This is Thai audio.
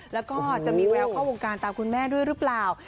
และก็จะมีไว้ข้อวงการตามคุณแม่หนึ่งรึเปล่า